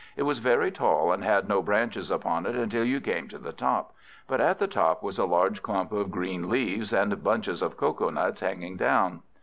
It was very tall, and had no branches upon it until you came to the top, but at the top was a large clump of green leaves, and bunches of cocoa nuts hanging down.